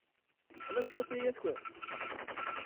Teḥla cwiṭ yaya-tkent?